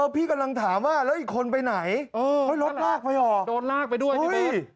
พี่กำลังถามว่าแล้วอีกคนไปไหนรถลากไปเหรอ